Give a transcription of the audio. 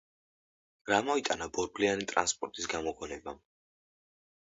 რა მოიტანა ბორბლიანი ტრანსპორტის გამოგონებამ?